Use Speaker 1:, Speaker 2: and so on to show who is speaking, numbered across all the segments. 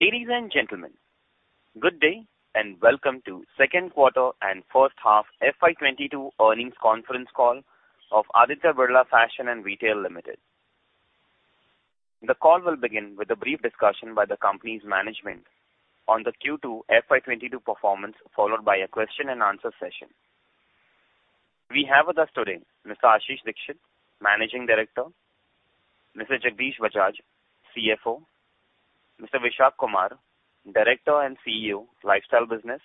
Speaker 1: Ladies and gentlemen, good day and welcome to second quarter and first half FY 2022 earnings conference call of Aditya Birla Fashion and Retail Limited. The call will begin with a brief discussion by the company's management on the Q2 FY 2022 performance, followed by a question and answer session. We have with us today Mr. Ashish Dikshit, Managing Director. Mr. Jagdish Bajaj, CFO. Mr. Vishak Kumar, Director and CEO, Lifestyle Business.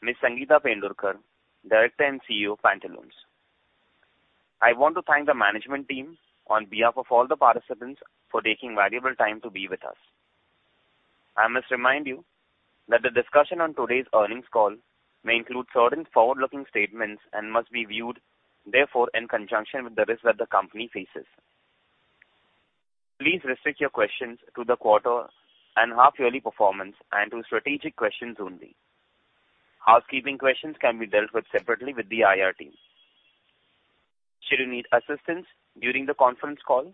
Speaker 1: Ms. Sangeeta Pendurkar, Director and CEO, Pantaloons. I want to thank the management team on behalf of all the participants for taking valuable time to be with us. I must remind you that the discussion on today's earnings call may include certain forward-looking statements and must be viewed therefore in conjunction with the risks that the company faces. Please restrict your questions to the quarter and half yearly performance and to strategic questions only. Housekeeping questions can be dealt with separately with the IR team. Should you need assistance during the conference call,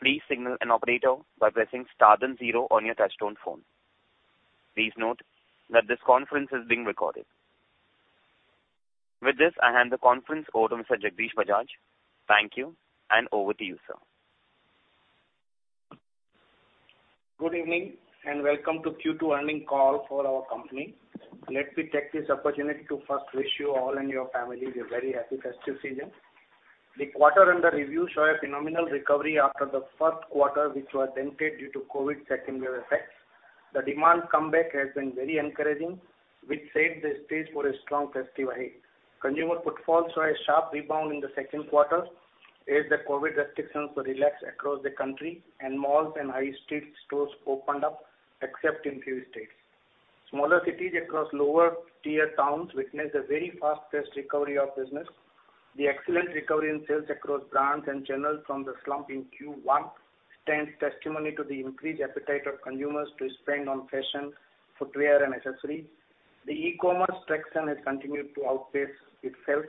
Speaker 1: please signal an operator by pressing star then zero on your touchtone phone. Please note that this conference is being recorded. With this, I hand the conference over to Mr. Jagdish Bajaj. Thank you, and over to you, sir.
Speaker 2: Good evening and welcome to Q2 earnings call for our company. Let me take this opportunity to first wish you all and your families a very happy festive season. The quarter under review shows a phenomenal recovery after the first quarter, which was dented due to COVID second wave effect. The demand comeback has been very encouraging, which set the stage for a strong festive ahead. Consumer footfalls show a sharp rebound in the second quarter as the COVID restrictions were relaxed across the country and malls and high street stores opened up, except in few states. Smaller cities across lower tier towns witnessed a very fast-paced recovery of business. The excellent recovery in sales across brands and channels from the slump in Q1 stands testimony to the increased appetite of consumers to spend on fashion, footwear and accessories. The e-commerce traction has continued to outpace itself,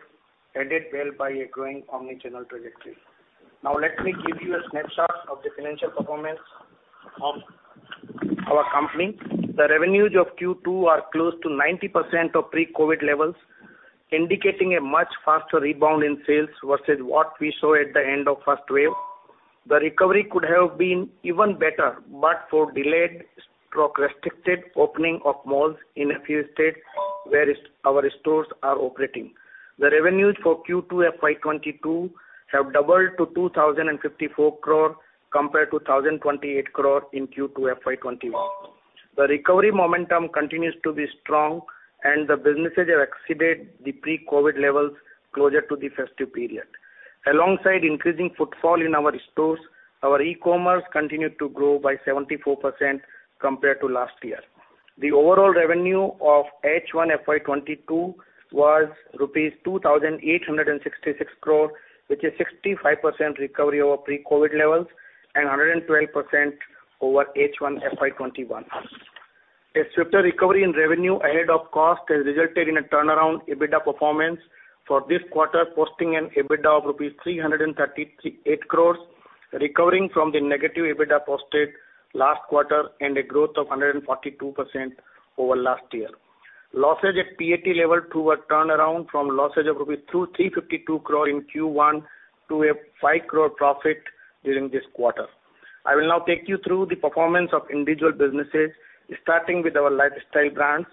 Speaker 2: aided well by a growing omni-channel trajectory. Now let me give you a snapshot of the financial performance of our company. The revenues of Q2 are close to 90% of pre-COVID levels, indicating a much faster rebound in sales versus what we saw at the end of first wave. The recovery could have been even better, but for delayed/restricted opening of malls in a few states where our stores are operating. The revenues for Q2 FY 2022 have doubled to 2,054 crore compared to 1,028 crore in Q2 FY 2021. The recovery momentum continues to be strong and the businesses have exceeded the pre-COVID levels closer to the festive period. Alongside increasing footfall in our stores, our e-commerce continued to grow by 74% compared to last year. The overall revenue of H1 FY 2022 was rupees 2,866 crore, which is 65% recovery over pre-COVID levels and 112% over H1 FY 2021. A swifter recovery in revenue ahead of cost has resulted in a turnaround EBITDA performance for this quarter, posting an EBITDA of rupees 333.8 crore, recovering from the negative EBITDA posted last quarter and a growth of 142% over last year. Losses at PAT level too were turned around from losses of 253 crore rupees in Q1 to an 5 crore profit during this quarter. I will now take you through the performance of individual businesses, starting with our lifestyle brands.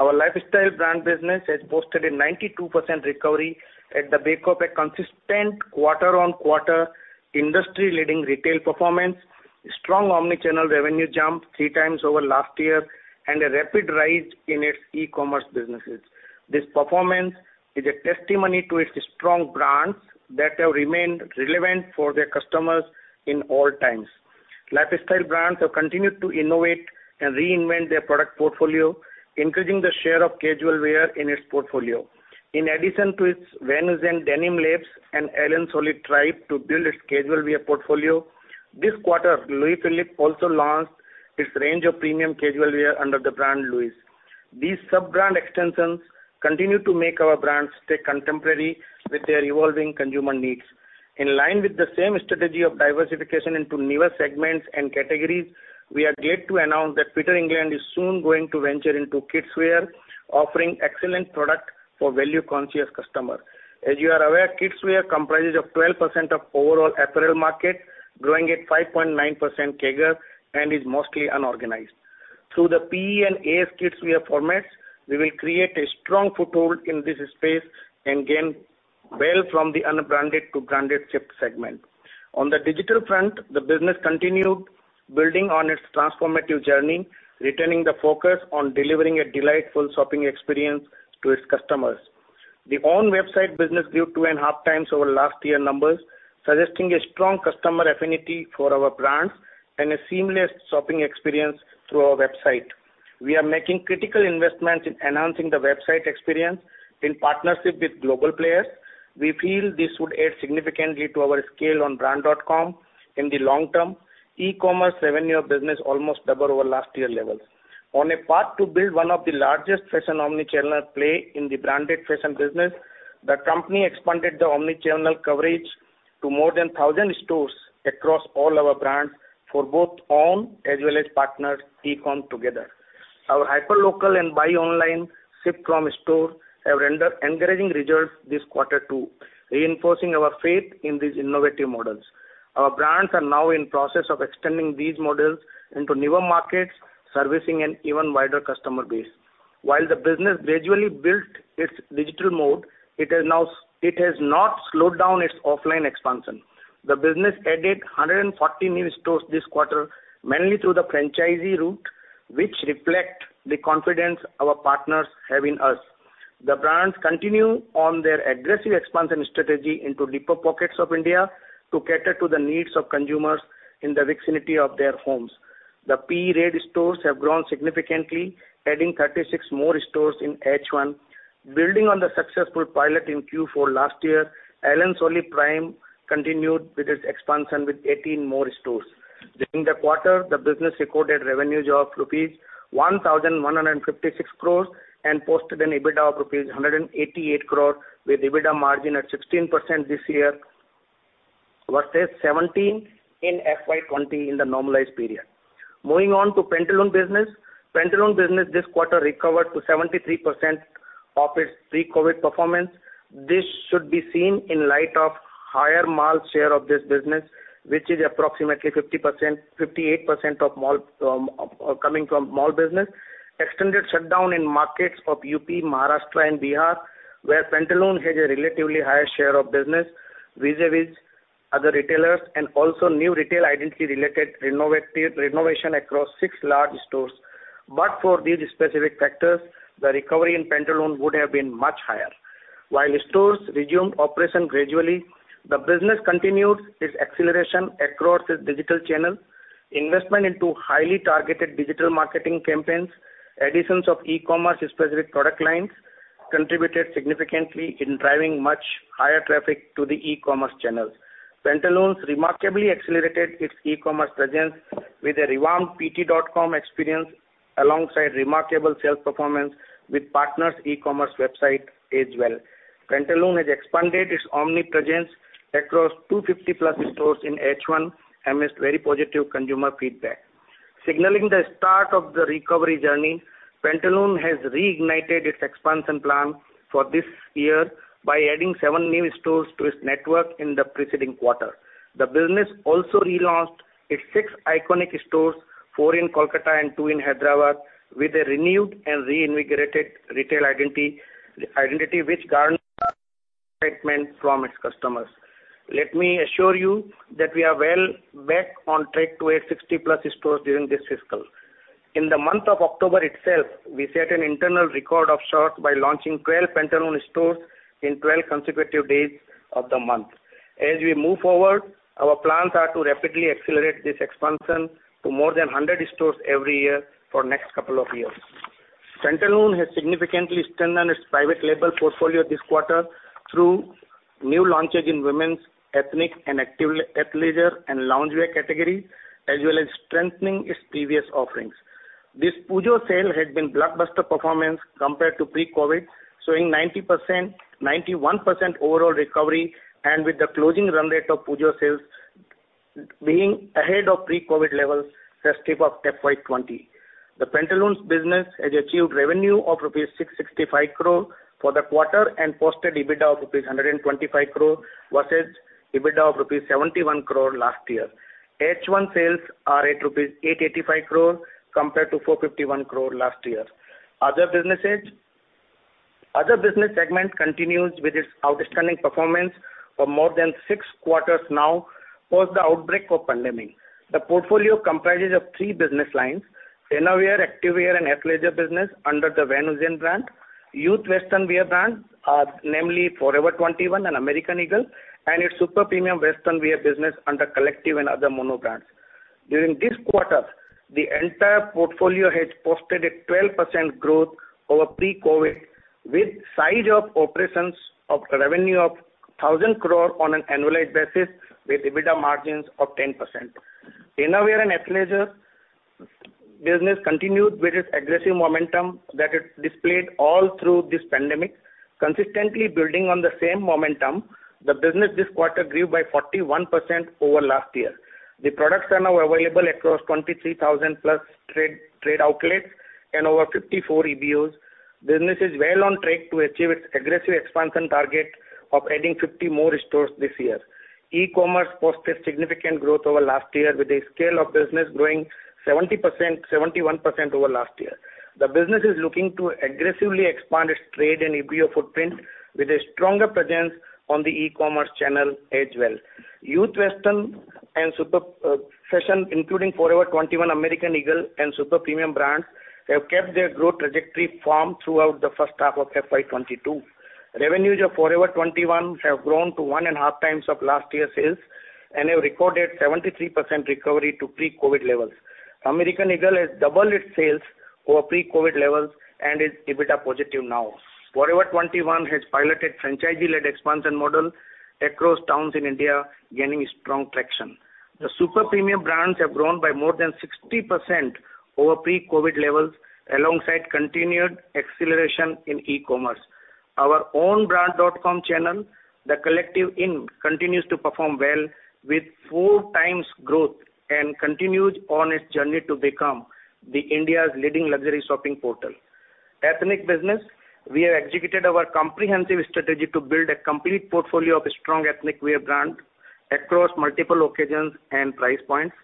Speaker 2: Our Lifestyle brand business has posted a 92% recovery at the back of a consistent quarter-on-quarter industry-leading retail performance, strong omni-channel revenue jump 3x over last year, and a rapid rise in its e-commerce businesses. This performance is a testimony to its strong brands that have remained relevant for their customers in all times. Lifestyle brands have continued to innovate and reinvent their product portfolio, increasing the share of casual wear in its portfolio. In addition to its Van Heusen Denim Labs and Allen Solly Tribe to build its casual wear portfolio, this quarter Louis Philippe also launched its range of premium casual wear under the brand LOUIS. These sub-brand extensions continue to make our brands stay contemporary with their evolving consumer needs. In line with the same strategy of diversification into newer segments and categories, we are glad to announce that Peter England is soon going to venture into kidswear, offering excellent product for value conscious customer. As you are aware, kidswear comprises of 12% of overall apparel market, growing at 5.9% CAGR and is mostly unorganized. Through the PE and AS kidswear formats, we will create a strong foothold in this space and gain well from the unbranded to branded shift segment. On the digital front, the business continued building on its transformative journey, retaining the focus on delivering a delightful shopping experience to its customers. The own website business grew 2.5x over last year numbers, suggesting a strong customer affinity for our brands and a seamless shopping experience through our website. We are making critical investments in enhancing the website experience in partnership with global players. We feel this would add significantly to our scale on brand.com in the long term. E-commerce revenue of the business almost doubled over last year levels. On a path to build one of the largest fashion omni-channel play in the branded fashion business, the company expanded the omni-channel coverage to more than 1,000 stores across all our brands for both own as well as partners e-com together. Our hyper local and buy online, ship from store have rendered encouraging results this quarter too, reinforcing our faith in these innovative models. Our brands are now in process of extending these models into newer markets, servicing an even wider customer base. While the business gradually built its digital mode, it has now not slowed down its offline expansion. The business added 140 new stores this quarter, mainly through the franchisee route, which reflect the confidence our partners have in us. The brands continue on their aggressive expansion strategy into deeper pockets of India to cater to the needs of consumers in the vicinity of their homes. The period stores have grown significantly, adding 36 more stores in H1. Building on the successful pilot in Q4 last year, Allen Solly Prime continued with its expansion with 18 more stores. During the quarter, the business recorded revenues of rupees 1,156 crore and posted an EBITDA of rupees 188 crore with EBITDA margin at 16% this year, versus 17% in FY 2020 in the normalized period. Moving on to Pantaloons business. Pantaloons business this quarter recovered to 73% of its pre-COVID performance. This should be seen in light of higher mall share of this business, which is approximately 58% coming from mall business. Extended shutdown in markets of UP, Maharashtra and Bihar, where Pantaloons has a relatively higher share of business vis-a-vis other retailers, and also new retail identity related renovation across six large stores. For these specific factors, the recovery in Pantaloons would have been much higher. While stores resumed operation gradually, the business continued its acceleration across its digital channel, investment into highly targeted digital marketing campaigns, additions of e-commerce specific product lines contributed significantly in driving much higher traffic to the e-commerce channels. Pantaloons remarkably accelerated its e-commerce presence with a revamped pantaloons.com experience alongside remarkable sales performance with partners e-commerce website as well. Pantaloons has expanded its omni presence across 250+ stores in H1 amidst very positive consumer feedback. Signaling the start of the recovery journey, Pantaloons has reignited its expansion plan for this year by adding seven new stores to its network in the preceding quarter. The business also relaunched its six iconic stores, four in Kolkata and two in Hyderabad, with a renewed and reinvigorated retail identity which garnered from its customers. Let me assure you that we are well back on track to 60+ stores during this fiscal. In the month of October itself, we set an internal record of sorts by launching 12 Pantaloons stores in 12 consecutive days of the month. As we move forward, our plans are to rapidly accelerate this expansion to more than 100 stores every year for next couple of years. Pantaloons has significantly strengthened its private label portfolio this quarter through new launches in women's ethnic and active athleisure and loungewear category, as well as strengthening its previous offerings. This Pujo sale has been blockbuster performance compared to pre-COVID, showing 91% overall recovery and with the closing run rate of Pujo sales being ahead of pre-COVID levels as of FY 2020. The Pantaloons business has achieved revenue of rupees 665 crore for the quarter and posted EBITDA of rupees 125 crore versus EBITDA of rupees 71 crore last year. H1 sales are at rupees 885 crore compared to 451 crore last year. Other business segments continue with its outstanding performance for more than six quarters now post the outbreak of pandemic. The portfolio comprises of three business lines, innerwear, activewear and athleisure business under the Van Heusen brand. Youth western wear brands, namely Forever 21 and American Eagle, and its super premium western wear business under The Collective and other mono brands. During this quarter, the entire portfolio has posted a 12% growth over pre-COVID with size of operations of revenue of 1,000 crore on an annualized basis with EBITDA margins of 10%. Innerwear and athleisure business continued with its aggressive momentum that it displayed all through this pandemic. Consistently building on the same momentum, the business this quarter grew by 41% over last year. The products are now available across 23+ trade outlets and over 54 EBOs. Business is well on track to achieve its aggressive expansion target of adding 50 more stores this year. E-commerce posted significant growth over last year with the scale of business growing 71% over last year. The business is looking to aggressively expand its trade and EBO footprint with a stronger presence on the e-commerce channel as well. Youth western and super fashion, including Forever 21, American Eagle and super premium brands have kept their growth trajectory firm throughout the first half of FY 2022. Revenues of Forever 21 have grown to 1.5x of last year's sales and have recorded 73% recovery to pre-COVID levels. American Eagle has doubled its sales over pre-COVID levels and is EBITDA positive now. Forever 21 has piloted franchisee-led expansion model across towns in India, gaining strong traction. The super premium brands have grown by more than 60% over pre-COVID levels, alongside continued acceleration in e-commerce. Our own brand dotcom channel, thecollective.in, continues to perform well with 4x growth and continues on its journey to become India's leading luxury shopping portal. Ethnic business, we have executed our comprehensive strategy to build a complete portfolio of strong ethnic wear brands across multiple occasions and price points.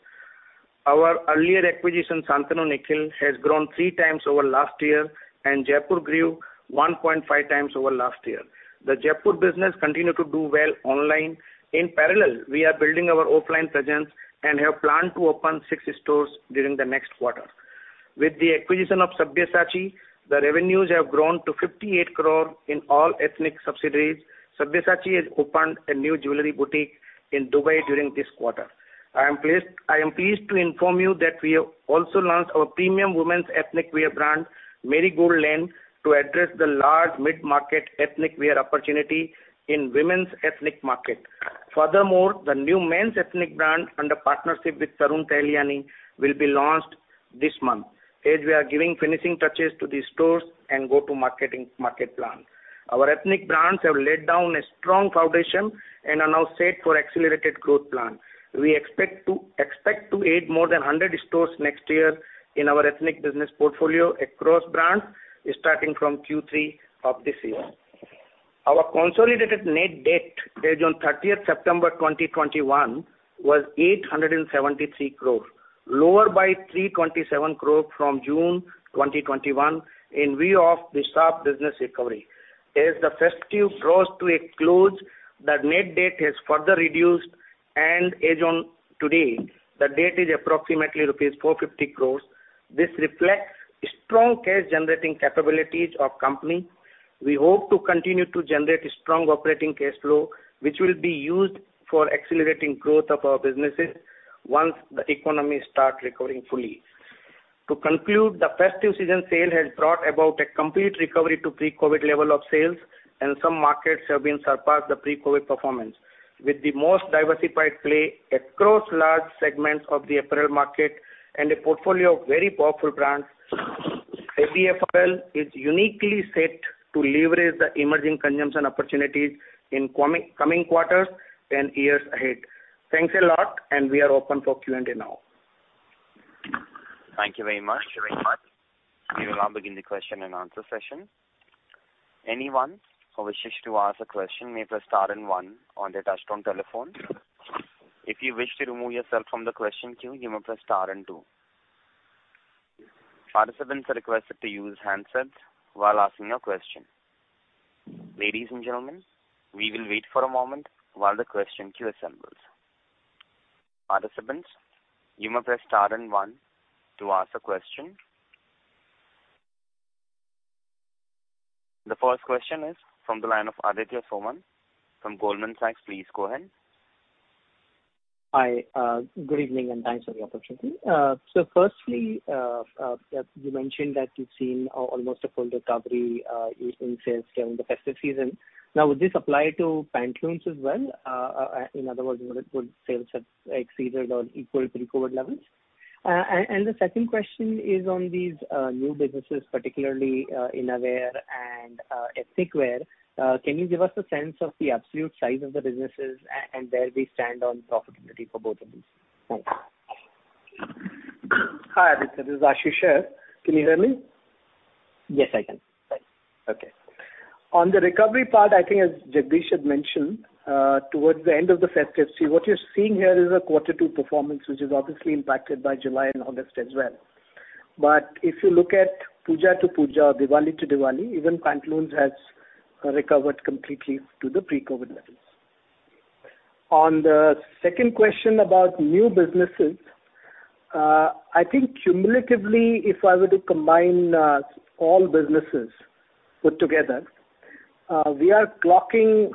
Speaker 2: Our earlier acquisition, Shantanu & Nikhil, has grown 3x over last year, and Jaypore grew 1.5x over last year. The Jaypore business continue to do well online. In parallel, we are building our offline presence and have planned to open six stores during the next quarter. With the acquisition of Sabyasachi, the revenues have grown to 58 crore in all ethnic subsidiaries. Sabyasachi has opened a new jewelry boutique in Dubai during this quarter. I am pleased to inform you that we have also launched our premium women's ethnic wear brand, Marigold Lane, to address the large mid-market ethnic wear opportunity in women's ethnic market. Furthermore, the new men's ethnic brand under partnership with Tarun Tahiliani will be launched this month as we are giving finishing touches to the stores and market plan. Our ethnic brands have laid down a strong foundation and are now set for accelerated growth plan. We expect to add more than 100 stores next year in our ethnic business portfolio across brands, starting from Q3 of this year. Our consolidated net debt as on September 30, 2021 was 873 crore, lower by 327 crore from June 2021 in view of the sharp business recovery. As the festive draws to a close, the net debt has further reduced, and as on today, the debt is approximately rupees 450 crore. This reflects strong cash generating capabilities of the company. We hope to continue to generate strong operating cash flow, which will be used for accelerating growth of our businesses once the economy start recovering fully. To conclude, the festive season sale has brought about a complete recovery to pre-COVID level of sales, and some markets have been surpassed the pre-COVID performance. With the most diversified play across large segments of the apparel market and a portfolio of very powerful brands, ABFRL is uniquely set to leverage the emerging consumption opportunities in coming quarters and years ahead. Thanks a lot, and we are open for Q&A now.
Speaker 1: Thank you very much. We will now begin the question-and-answer session. Anyone who wishes to ask a question may press star and one on their touchtone telephone. If you wish to remove yourself from the question queue, you may press star and two. Participants are requested to use handsets while asking a question. Ladies and gentlemen, we will wait for a moment while the question queue assembles. Participants, you may press star and one to ask a question. The first question is from the line of Aditya Soman from Goldman Sachs. Please go ahead.
Speaker 3: Hi, good evening, and thanks for the opportunity. So firstly, you mentioned that you've seen almost a full recovery in sales during the festive season. Now, would this apply to Pantaloons as well? In other words, would sales have exceeded or equaled pre-COVID levels? The second question is on these new businesses, particularly Innerwear and ethnic wear. Can you give us a sense of the absolute size of the businesses and where we stand on profitability for both of these? Thanks.
Speaker 4: Hi, Aditya. This is Ashish Dikshit. Can you hear me?
Speaker 3: Yes, I can. Thanks.
Speaker 4: Okay. On the recovery part, I think as Jagdish had mentioned, towards the end of the festive season, what you're seeing here is a quarter two performance, which is obviously impacted by July and August as well. If you look at Puja to Puja or Diwali to Diwali, even Pantaloons has recovered completely to the pre-COVID levels. On the second question about new businesses, I think cumulatively, if I were to combine all businesses put together, we are clocking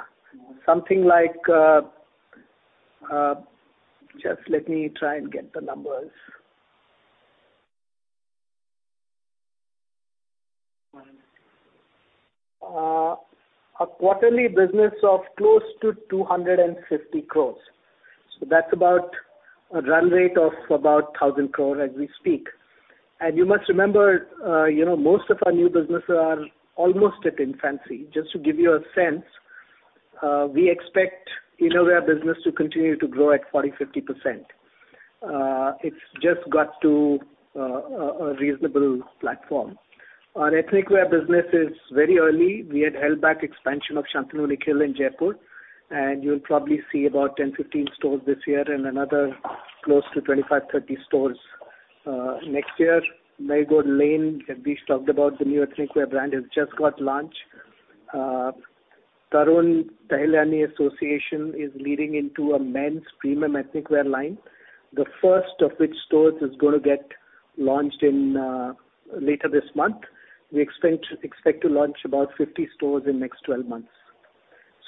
Speaker 4: something like. Just let me try and get the numbers. A quarterly business of close to 250 crores. So that's about a run rate of about 1,000 crore as we speak. You must remember, you know, most of our new businesses are almost at infancy. Just to give you a sense, we expect Innerwear business to continue to grow at 40%-50%. It's just got to a reasonable platform. Our ethnic wear business is very early. We had held back expansion of Shantanu & Nikhil in Jaypore, and you'll probably see about 10-15 stores this year and another close to 25-30 stores next year. Marigold Lane, Jagdish talked about the new ethnic wear brand, has just launched. Tarun Tahiliani association is leading into a men's premium ethnic wear line, the first of which stores is gonna get launched in later this month. We expect to launch about 50 stores in next 12 months.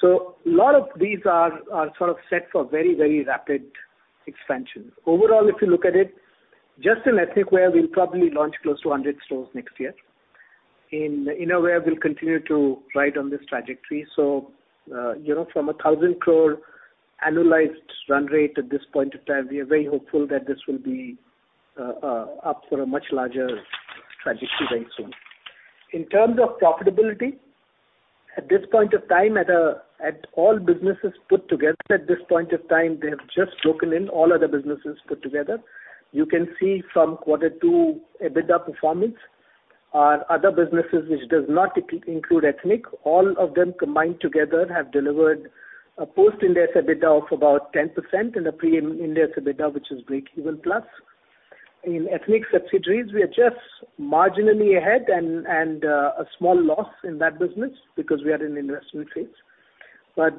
Speaker 4: A lot of these are sort of set for very, very rapid expansion. Overall, if you look at it, just in ethnic wear, we'll probably launch close to 100 stores next year. Innerwear will continue to ride on this trajectory. You know, from 1,000 crore annualized run rate at this point in time, we are very hopeful that this will be up to a much larger trajectory very soon. In terms of profitability, at this point of time, at all businesses put together at this point of time, they have just broken even. In all other businesses put together, you can see from quarter two EBITDA performance, our other businesses which does not include ethnic, all of them combined together have delivered a post-IndAS EBITDA of about 10% and a pre-IndAS EBITDA, which is breakeven plus. In ethnic subsidiaries, we are just marginally ahead and a small loss in that business because we are in investment phase.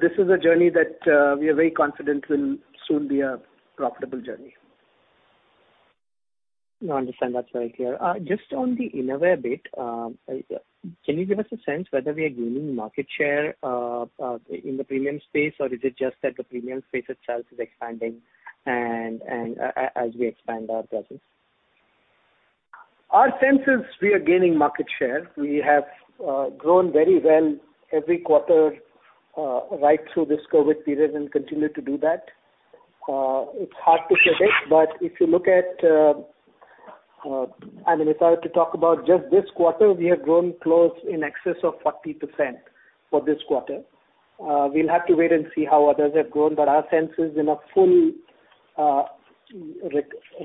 Speaker 4: This is a journey that, we are very confident will soon be a profitable journey.
Speaker 3: No, I understand. That's very clear. Just on the Innerwear bit, can you give us a sense whether we are gaining market share in the premium space, or is it just that the premium space itself is expanding and as we expand our presence?
Speaker 4: Our sense is we are gaining market share. We have grown very well every quarter right through this COVID period and continue to do that. It's hard to predict, but if you look at, I mean, if I were to talk about just this quarter, we have grown close in excess of 40% for this quarter. We'll have to wait and see how others have grown, but our sense is in a full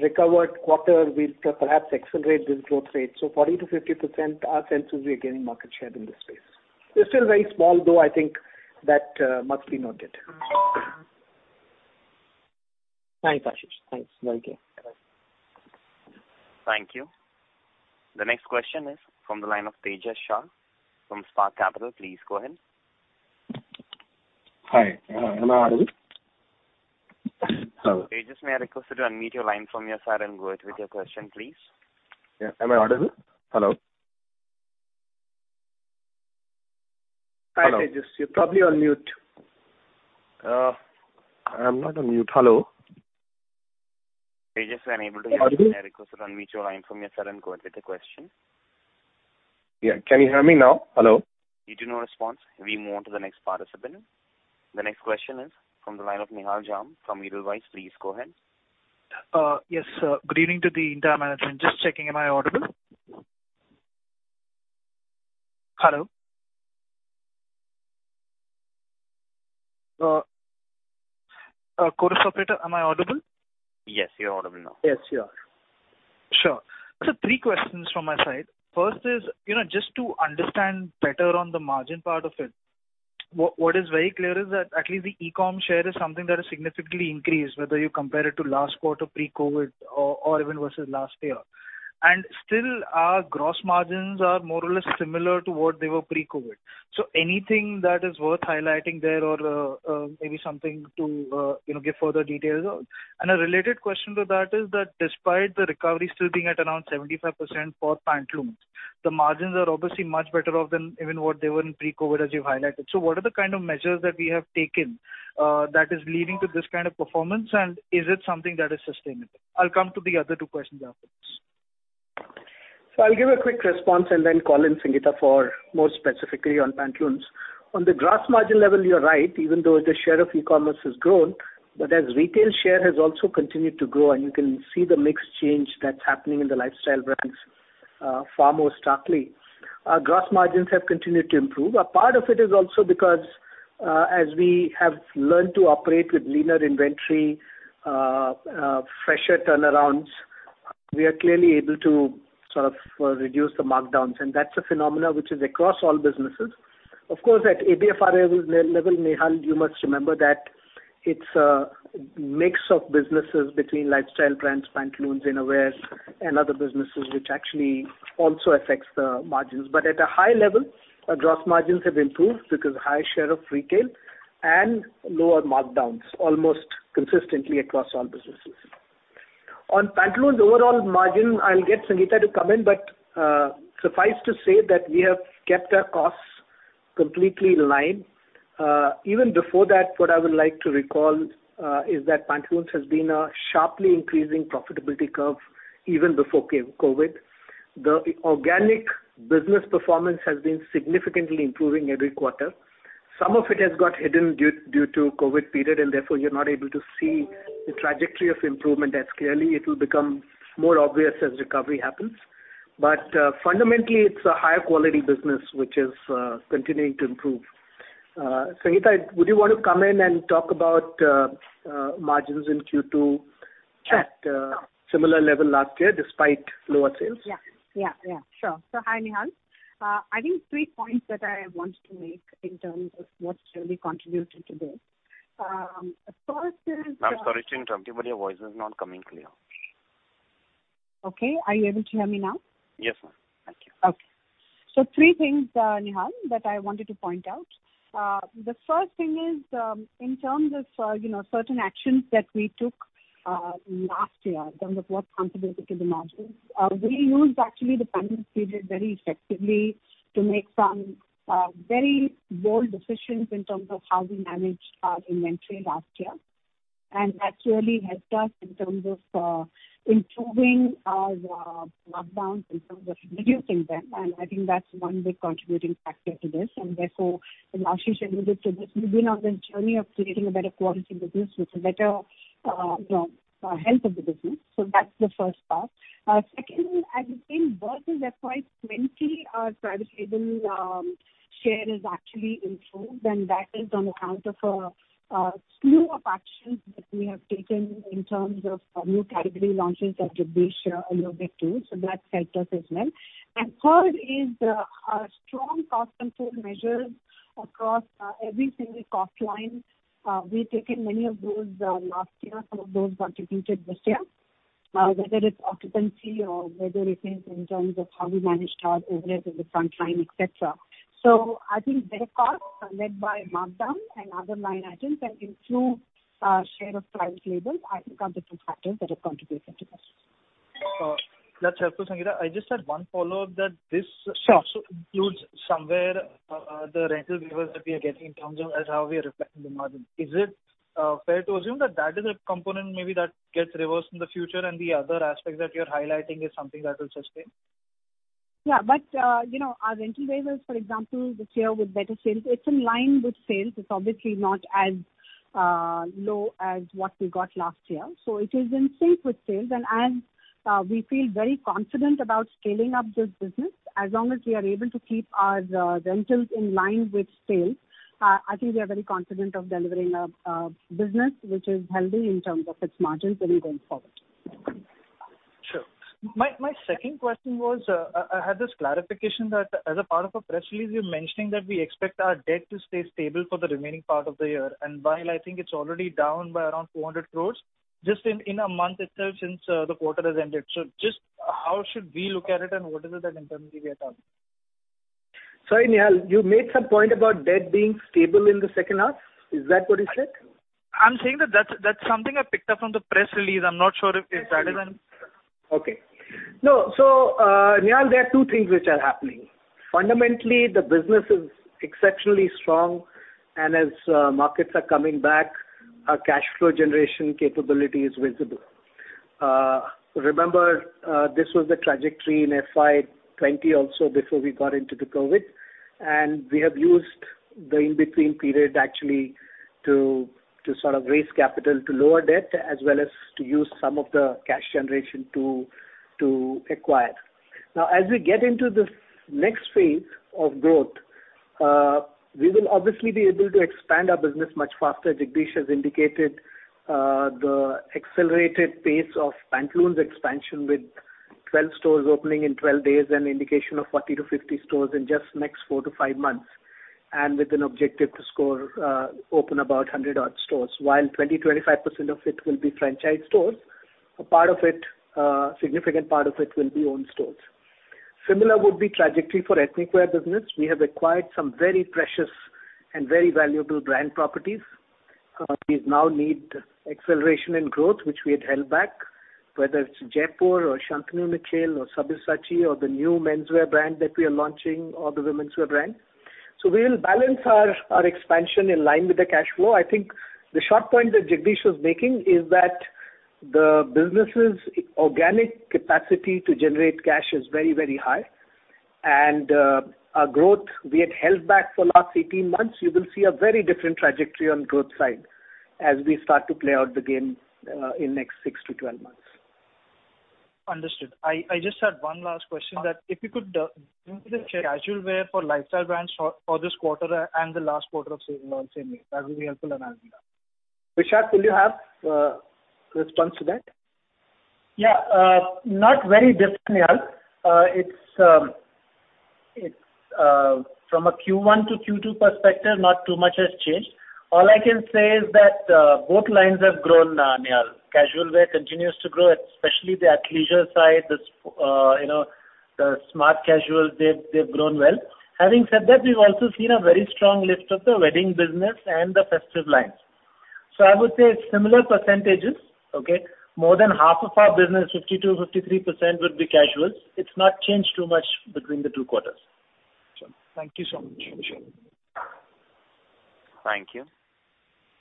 Speaker 4: recovered quarter, we'll perhaps accelerate this growth rate. 40%-50%, our sense is we are gaining market share in this space. We're still very small, though I think that must be noted.
Speaker 3: Thanks, Ashish. Thanks. Very clear.
Speaker 1: Thank you. The next question is from the line of Tejas Shah from Spark Capital. Please go ahead.
Speaker 5: Hi, am I audible?
Speaker 1: Hello. Tejas, may I request you to unmute your line from your side and go ahead with your question, please.
Speaker 5: Yeah. Am I audible? Hello? Hello.
Speaker 4: Hi, Tejas. You're probably on mute.
Speaker 5: I'm not on mute. Hello.
Speaker 1: Tejas, I'm able to hear you.
Speaker 5: Audible?
Speaker 1: May I request you to unmute your line from your side and go ahead with the question.
Speaker 5: Yeah. Can you hear me now? Hello.
Speaker 1: Due to no response, we move on to the next participant. The next question is from the line of Nihal Jham from Edelweiss. Please go ahead.
Speaker 6: Yes, sir. Good evening to the entire management. Just checking, am I audible? Hello? Chorus operator, am I audible?
Speaker 1: Yes, you're audible now.
Speaker 4: Yes, you are.
Speaker 6: Sure. Three questions from my side. First is, you know, just to understand better on the margin part of it. What is very clear is that at least the e-com share is something that has significantly increased, whether you compare it to last quarter pre-COVID or even versus last year. Our gross margins are more or less similar to what they were pre-COVID. Anything that is worth highlighting there or maybe something to, you know, give further details on. A related question to that is that despite the recovery still being at around 75% for Pantaloons, the margins are obviously much better off than even what they were in pre-COVID, as you've highlighted. What are the kind of measures that we have taken, that is leading to this kind of performance and is it something that is sustainable? I'll come to the other two questions after this.
Speaker 4: I'll give a quick response and then call in Sangeeta for more specifically on Pantaloons. On the gross margin level, you're right, even though the share of e-commerce has grown, but as retail share has also continued to grow and you can see the mix change that's happening in the lifestyle brands, far more starkly. Our gross margins have continued to improve. A part of it is also because, as we have learned to operate with leaner inventory, fresher turnarounds, we are clearly able to sort of reduce the markdowns. And that's a phenomenon which is across all businesses. Of course, at ABFRL level, Nihal, you must remember that it's a mix of businesses between lifestyle brands, Pantaloons, Innerwear and other businesses, which actually also affects the margins. At a high level, our gross margins have improved because high share of retail and lower markdowns almost consistently across all businesses. On Pantaloons' overall margin, I'll get Sangeeta to come in, but suffice to say that we have kept our costs completely in line. Even before that, what I would like to recall is that Pantaloons has been a sharply increasing profitability curve even before pre-COVID. The organic business performance has been significantly improving every quarter. Some of it has got hidden due to COVID period, and therefore, you're not able to see the trajectory of improvement as clearly. It will become more obvious as recovery happens. Fundamentally, it's a higher quality business which is continuing to improve. Sangeeta, would you want to come in and talk about margins in Q2.
Speaker 7: Sure.
Speaker 4: At similar level last year despite lower sales?
Speaker 7: Yeah. Sure. Hi, Nihal. I think three points that I want to make in terms of what's really contributed to this. First is-
Speaker 1: I'm sorry to interrupt you, but your voice is not coming clear.
Speaker 7: Okay. Are you able to hear me now?
Speaker 1: Yes, ma'am.
Speaker 7: Thank you. Okay. Three things, Nihal, that I wanted to point out. The first thing is, in terms of, you know, certain actions that we took, last year in terms of what contributed to the margins. We used actually the pandemic period very effectively to make some, very bold decisions in terms of how we managed our inventory last year. Actually helped us in terms of, improving our, markdowns in terms of reducing them, and I think that's one big contributing factor to this. Therefore, Ashish alluded to this. We've been on this journey of creating a better quality business with better, you know, health of the business. That's the first part. Second is I think versus FY 2020, our private label share has actually improved, and that is on account of a slew of actions that we have taken in terms of our new category launches that Jagdish alluded to, so that's helped us as well. Third is the strong cost control measures across every single cost line. We've taken many of those last year. Some of those contributed this year. Whether it's occupancy or whether it is in terms of how we managed our overhead in the front line, et cetera. I think better costs led by markdown and other line items that improved our share of private label, I think, are the two factors that have contributed to this.
Speaker 6: That's helpful, Sangeeta. I just had one follow-up.
Speaker 7: Sure.
Speaker 6: Also includes somewhere the rental waivers that we are getting in terms of as how we are reflecting the margin. Is it fair to assume that is a component maybe that gets reversed in the future and the other aspect that you're highlighting is something that will sustain?
Speaker 7: Yeah, you know, our rental waivers, for example, this year with better sales, it's in line with sales. It's obviously not as low as what we got last year. It is in sync with sales. As we feel very confident about scaling up this business, as long as we are able to keep our rentals in line with sales, I think we are very confident of delivering a business which is healthy in terms of its margins really going forward.
Speaker 6: Sure. My second question was, I had this clarification that as a part of a press release, you're mentioning that we expect our debt to stay stable for the remaining part of the year. While I think it's already down by around 400 crore just in a month itself since the quarter has ended. Just how should we look at it, and what is it that internally we are targeting?
Speaker 4: Sorry, Nihal. You made some point about debt being stable in the second half. Is that what you said?
Speaker 6: I'm saying that that's something I picked up from the press release. I'm not sure if that is an-
Speaker 4: Nihal, there are two things which are happening. Fundamentally, the business is exceptionally strong, and as markets are coming back, our cash flow generation capability is visible. Remember, this was the trajectory in FY 2020 also before we got into the COVID, and we have used the in-between period actually to sort of raise capital to lower debt as well as to use some of the cash generation to acquire. Now as we get into this next phase of growth, we will obviously be able to expand our business much faster. Jagdish has indicated the accelerated pace of Pantaloons expansion with 12 stores opening in 12 days and indication of 40-50 stores in just next 4-5 months, and with an objective to sort of open about 100-odd stores. While 25% of it will be franchise stores, a part of it, significant part of it will be owned stores. Similar would be trajectory for ethnic wear business. We have acquired some very precious and very valuable brand properties. We now need acceleration in growth which we had held back, whether it's Jaypore or Shantanu & Nikhil or Sabyasachi or the new menswear brand that we are launching or the womenswear brand. We will balance our expansion in line with the cash flow. I think the short point that Jagdish was making is that the business's organic capacity to generate cash is very, very high. Our growth we had held back for last 18 months, you will see a very different trajectory on growth side as we start to play out the game in next 6-12 months.
Speaker 6: Understood. I just had one last question that if you could give me the casual wear for lifestyle brands for this quarter and the last quarter of same and same year. That would be helpful analysis.
Speaker 4: Vishak, will you have response to that?
Speaker 8: Yeah. Not very different, Nihal. It's from a Q1 to Q2 perspective, not too much has changed. All I can say is that both lines have grown, Nihal. Casual wear continues to grow, especially the athleisure side. This, you know, the smart casual, they've grown well. Having said that, we've also seen a very strong lift of the wedding business and the festive lines. I would say similar percentages. Okay? More than half of our business, 52%-53% would be casuals. It's not changed too much between the two quarters.
Speaker 6: Sure. Thank you so much.
Speaker 8: Sure.
Speaker 1: Thank you.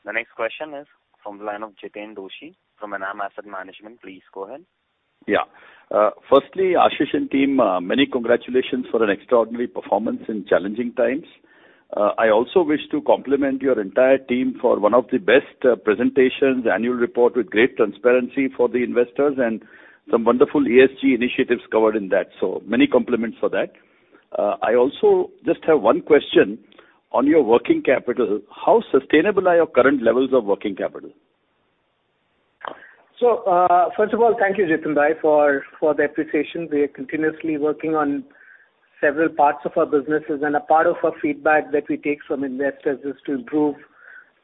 Speaker 1: The next question is from the line of Jiten Doshi from Enam Asset Management. Please go ahead.
Speaker 9: Yeah. Firstly, Ashish and team, many congratulations for an extraordinary performance in challenging times. I also wish to compliment your entire team for one of the best presentation and annual report with great transparency for the investors and some wonderful ESG initiatives covered in that. Many compliments for that. I also just have one question on your working capital. How sustainable are your current levels of working capital?
Speaker 4: First of all, thank you, Jiten bhai, for the appreciation. We are continuously working on several parts of our businesses, and a part of our feedback that we take from investors is to improve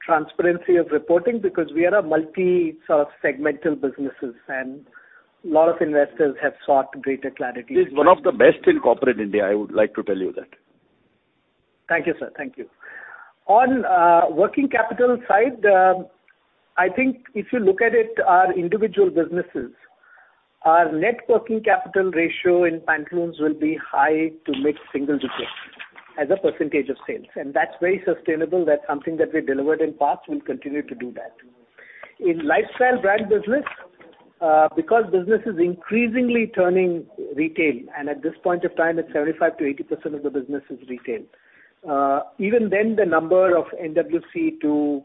Speaker 4: transparency of reporting because we are a multi sort of segmental businesses, and a lot of investors have sought greater clarity.
Speaker 9: It's one of the best in corporate India, I would like to tell you that.
Speaker 4: Thank you, sir. Thank you. On working capital side, I think if you look at it, our individual businesses. Our net working capital ratio in Pantaloons will be high- to mid-single digits as a percentage of sales, and that's very sustainable. That's something that we delivered in the past, we'll continue to do that. In lifestyle brand business, because business is increasingly turning retail and at this point of time it's 75%-80% of the business is retail. Even then, the number of NWC to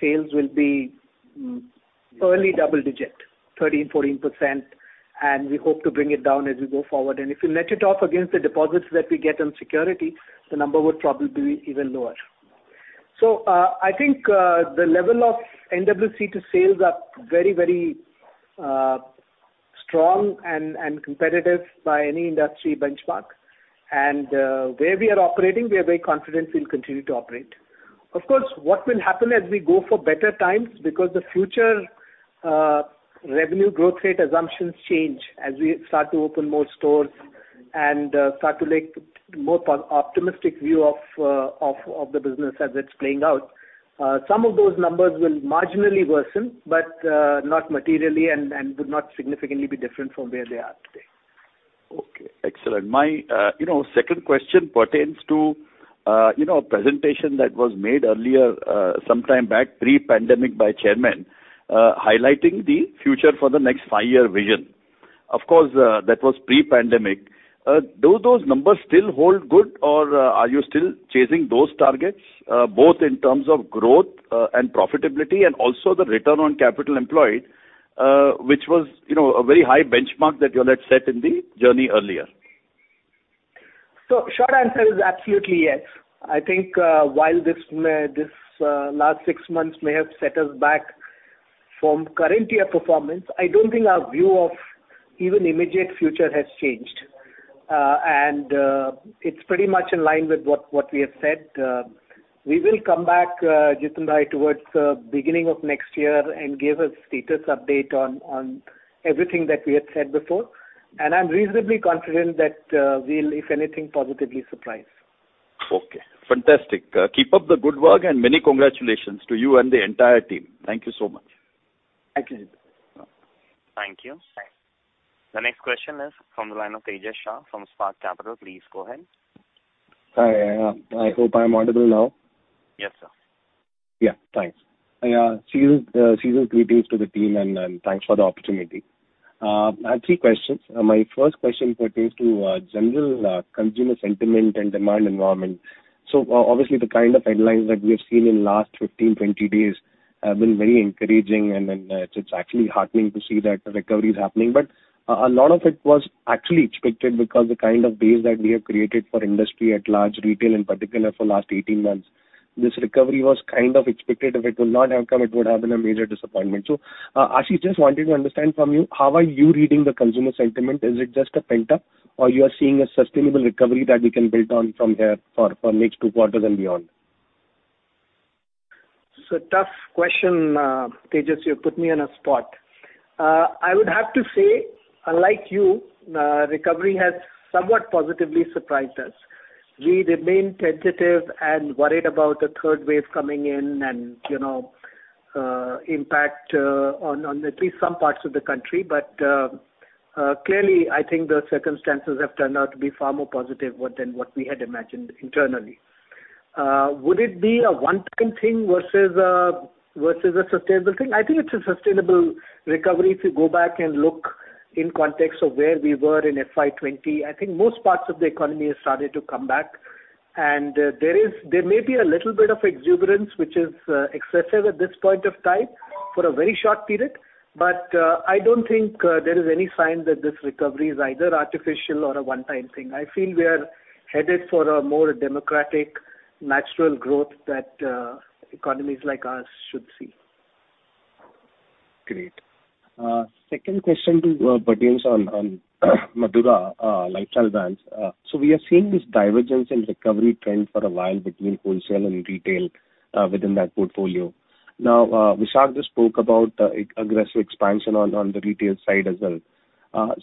Speaker 4: sales will be early double-digit, 13%-14%, and we hope to bring it down as we go forward. If you net it off against the deposits that we get on security, the number would probably be even lower. I think the level of NWC to sales are very strong and competitive by any industry benchmark. Where we are operating, we are very confident we'll continue to operate. Of course, what will happen as we go for better times because the future revenue growth rate assumptions change as we start to open more stores and start to take more optimistic view of the business as it's playing out. Some of those numbers will marginally worsen, but not materially and would not significantly be different from where they are today.
Speaker 9: Okay, excellent. My, you know, second question pertains to, you know, a presentation that was made earlier, sometime back pre-pandemic by Chairman, highlighting the future for the next five-year vision. Of course, that was pre-pandemic. Do those numbers still hold good or are you still chasing those targets, both in terms of growth, and profitability and also the return on capital employed, which was, you know, a very high benchmark that you all had set in the journey earlier?
Speaker 4: Short answer is absolutely, yes. I think while this may have set us back from current year performance, I don't think our view of even immediate future has changed. It's pretty much in line with what we have said. We will come back, Jiten bhai, towards the beginning of next year and give a status update on everything that we had said before. I'm reasonably confident that we'll, if anything, positively surprise.
Speaker 9: Okay, fantastic. Keep up the good work and many congratulations to you and the entire team. Thank you so much.
Speaker 4: Thank you.
Speaker 1: Thank you. The next question is from the line of Tejas Shah from Spark Capital. Please go ahead.
Speaker 5: Hi, I hope I'm audible now.
Speaker 1: Yes, sir.
Speaker 5: Yeah, thanks. Yeah, season's greetings to the team and thanks for the opportunity. I have three questions. My first question pertains to general consumer sentiment and demand environment. Obviously, the kind of headlines that we have seen in last 15, 20 days have been very encouraging and it's actually heartening to see that the recovery is happening. A lot of it was actually expected because the kind of base that we have created for industry at large, retail in particular for last 18 months, this recovery was kind of expected. If it would not have come, it would have been a major disappointment. Ashish, just wanted to understand from you, how are you reading the consumer sentiment? Is it just a pent-up or you are seeing a sustainable recovery that we can build on from here for next two quarters and beyond?
Speaker 4: It's a tough question, Tejas. You've put me in a spot. I would have to say, unlike you, recovery has somewhat positively surprised us. We remain tentative and worried about the third wave coming in and, you know, impact on at least some parts of the country. Clearly, I think the circumstances have turned out to be far more positive than what we had imagined internally. Would it be a one-time thing versus a sustainable thing? I think it's a sustainable recovery. If you go back and look in context of where we were in FY 2020, I think most parts of the economy have started to come back. There is, there may be a little bit of exuberance which is excessive at this point of time for a very short period. I don't think there is any sign that this recovery is either artificial or a one-time thing. I feel we are headed for a more democratic natural growth that economies like ours should see.
Speaker 5: Great. Second question that pertains to Madura lifestyle brands. So we are seeing this divergence in recovery trend for a while between wholesale and retail within that portfolio. Now, Vishak just spoke about aggressive expansion on the retail side as well.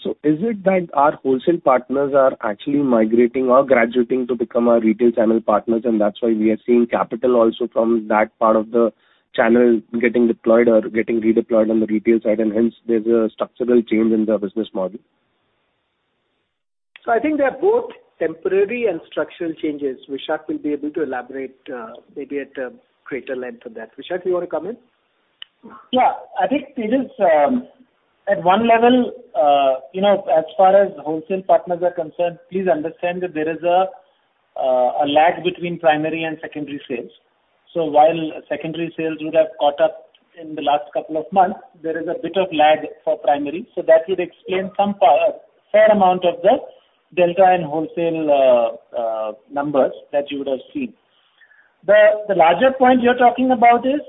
Speaker 5: So is it that our wholesale partners are actually migrating or graduating to become our retail channel partners, and that's why we are seeing capital also from that part of the channel getting deployed or getting redeployed on the retail side, and hence there's a structural change in the business model?
Speaker 4: I think they are both temporary and structural changes. Vishak will be able to elaborate, maybe at a greater length on that. Vishak, you wanna come in?
Speaker 8: Yeah. I think it is at one level, you know, as far as wholesale partners are concerned, please understand that there is a lag between primary and secondary sales. While secondary sales would have caught up in the last couple of months, there is a bit of lag for primary. That would explain some fair amount of the delta and wholesale numbers that you would have seen. The larger point you're talking about is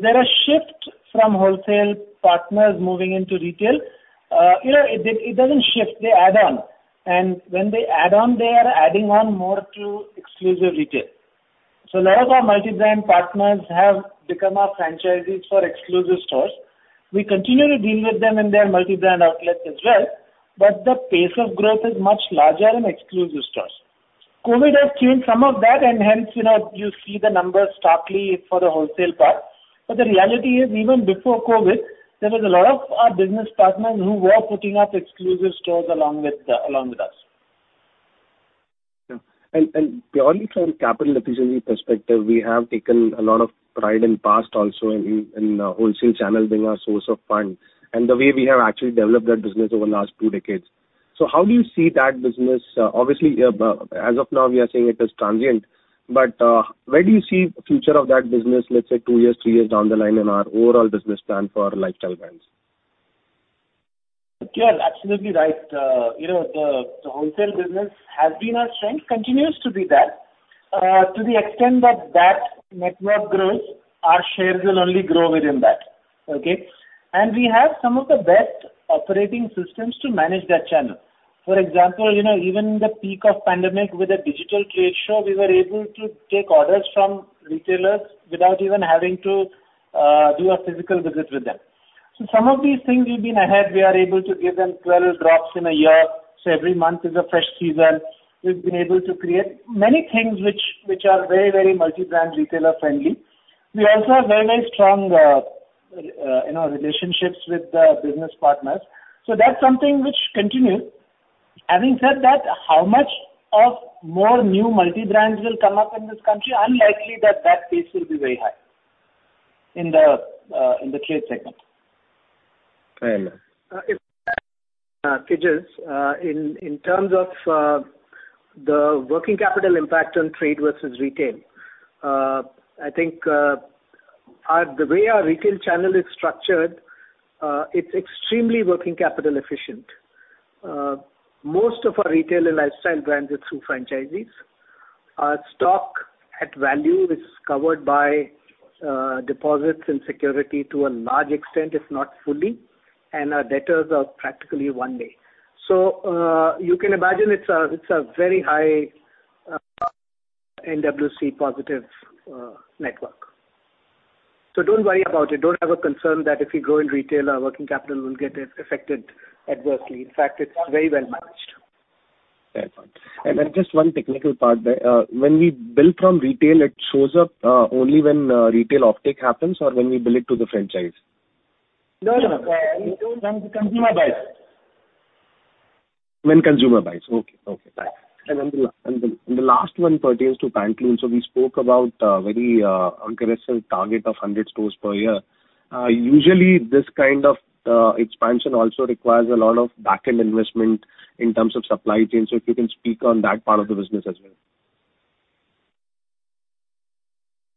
Speaker 8: there a shift from wholesale partners moving into retail? You know, it doesn't shift, they add on. When they add on, they are adding on more to exclusive retail. A lot of our multi-brand partners have become our franchisees for exclusive stores. We continue to deal with them in their multi-brand outlets as well, but the pace of growth is much larger in exclusive stores. COVID has changed some of that, and hence, you know, you see the numbers starkly for the wholesale part. But the reality is, even before COVID, there was a lot of our business partners who were putting up exclusive stores along with, along with us.
Speaker 5: Purely from capital efficiency perspective, we have taken a lot of pride in past also in wholesale channel being our source of funds, and the way we have actually developed that business over the last two decades. How do you see that business? Obviously, as of now, we are saying it is transient, but where do you see future of that business, let's say two years, three years down the line in our overall business plan for Lifestyle Brands?
Speaker 8: You're absolutely right. You know, the wholesale business has been our strength, continues to be that. To the extent that that network grows, our shares will only grow within that. Okay? And we have some of the best operating systems to manage that channel. For example, you know, even in the peak of pandemic with a digital trade show, we were able to take orders from retailers without even having to do a physical visit with them. So some of these things we've been ahead, we are able to give them 12 drops in a year, so every month is a fresh season. We've been able to create many things which are very, very multi-brand retailer friendly. We also have very, very strong, you know, relationships with the business partners, so that's something which continues. Having said that, how much of more new multi-brands will come up in this country? Unlikely that pace will be very high in the trade segment.
Speaker 5: Fair enough.
Speaker 4: Tejas, in terms of the working capital impact on trade versus retail, I think, the way our retail channel is structured, it's extremely working capital efficient. Most of our retail and Lifestyle Brands is through franchisees. Our stock at value is covered by deposits and security to a large extent, if not fully, and our debtors are practically one day. You can imagine it's a very high NWC positive network. Don't worry about it. Don't have a concern that if we grow in retail, our working capital will get affected adversely. In fact, it's very well managed.
Speaker 5: Fair point. Just one technical part there. When we bill from retail, it shows up only when retail offtake happens or when we bill it to the franchise?
Speaker 4: No, no. When consumer buys.
Speaker 5: When the consumer buys. The last one pertains to Pantaloons. We spoke about very aggressive target of 100 stores per year. Usually this kind of expansion also requires a lot of backend investment in terms of supply chain, so if you can speak on that part of the business as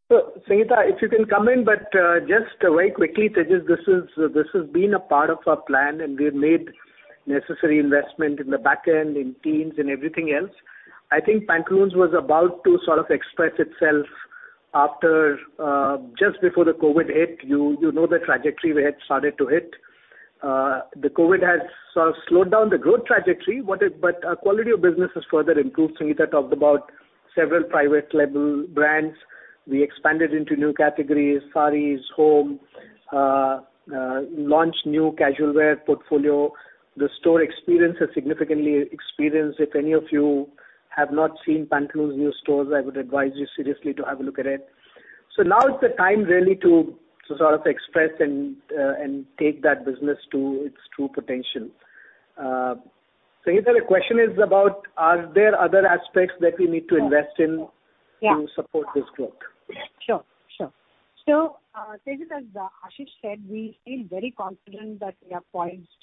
Speaker 5: well.
Speaker 4: Sangeeta, if you can come in, but just very quickly, Tejas, this has been a part of our plan, and we've made necessary investment in the back end, in teams and everything else. I think Pantaloons was about to sort of express itself after just before the COVID hit. You know the trajectory we had started to hit. The COVID has sort of slowed down the growth trajectory, but our quality of business has further improved. Sangeeta talked about several private label brands. We expanded into new categories, sarees, home, launched new casual wear portfolio. The store experience has significantly improved. If any of you have not seen Pantaloons' new stores, I would advise you seriously to have a look at it. Now is the time really to sort of express and take that business to its true potential. Sangeeta, the question is, are there other aspects that we need to invest in-
Speaker 7: Yeah.
Speaker 4: To support this growth?
Speaker 7: Sure. Tejas, as Ashish said, we feel very confident that we are poised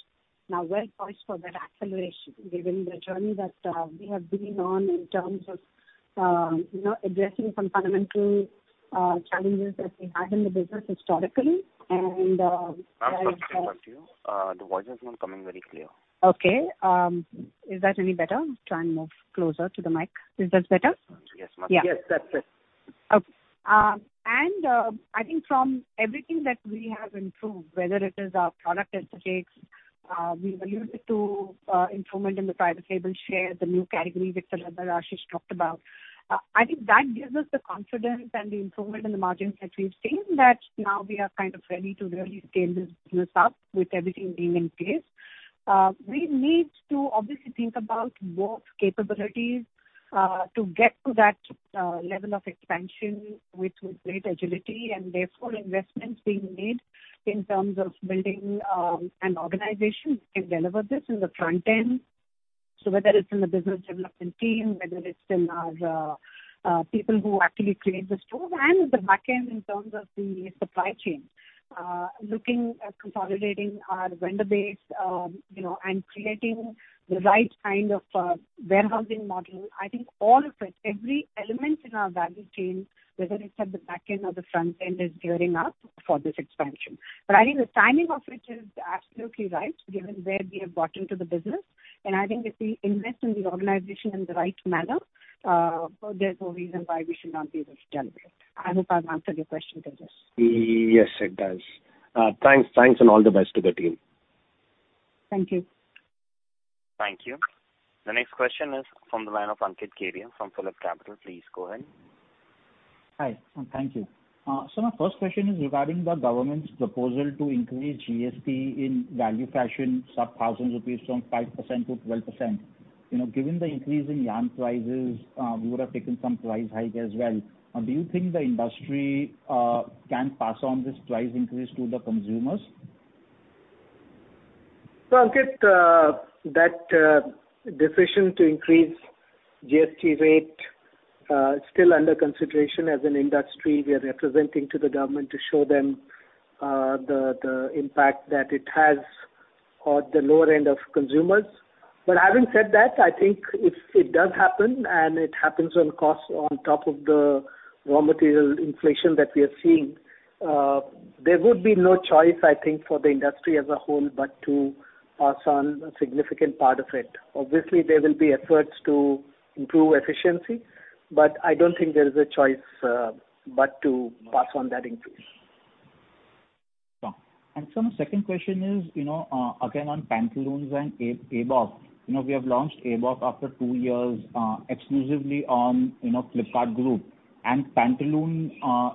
Speaker 7: now, well poised for that acceleration given the journey that we have been on in terms of, you know, addressing some fundamental challenges that we had in the business historically, as-
Speaker 1: Ma'am, sorry to interrupt you. The voice is not coming very clear.
Speaker 7: Okay. Is that any better? Try and move closer to the mic. Is that better?
Speaker 1: Yes, ma'am.
Speaker 4: Yes, that's it.
Speaker 7: I think from everything that we have improved, whether it is our product execution we've alluded to, improvement in the private label share, the new category mix that Ashish talked about. I think that gives us the confidence and the improvement in the margins that we've seen that now we are kind of ready to really scale this business up with everything being in place. We need to obviously think about both capabilities to get to that level of expansion with great agility, and therefore investments being made in terms of building an organization can deliver this in the front end. Whether it's in the business development team, whether it's in our people who actually create the stores and the back end in terms of the supply chain. Looking at consolidating our vendor base, you know, and creating the right kind of warehousing model. I think all of it, every element in our value chain, whether it's at the back end or the front end, is gearing up for this expansion. I think the timing of which is absolutely right, given where we have gotten to the business, and I think if we invest in the organization in the right manner, there's no reason why we should not be able to deliver. I hope I've answered your question, Tejas.
Speaker 5: Yes, it does. Thanks, and all the best to the team.
Speaker 7: Thank you.
Speaker 4: Thank you.
Speaker 1: The next question is from the line of Ankit Kedia from PhillipCapital. Please go ahead.
Speaker 10: Hi, thank you. My first question is regarding the government's proposal to increase GST in value fashion sub 1,000 rupees from 5% to 12%. You know, given the increase in yarn prices, we would have taken some price hike as well. Do you think the industry can pass on this price increase to the consumers?
Speaker 4: Ankit, that decision to increase GST rate is still under consideration. As an industry, we are representing to the government to show them the impact that it has on the lower end of consumers. Having said that, I think if it does happen, and it happens on costs on top of the raw material inflation that we are seeing, there would be no choice, I think, for the industry as a whole but to pass on a significant part of it. Obviously, there will be efforts to improve efficiency, but I don't think there is a choice but to pass on that increase.
Speaker 10: Sure. Sir, my second question is, you know, again, on Pantaloons and ABOF. You know, we have launched ABOF after two years, exclusively on, you know, Flipkart group. Pantaloons,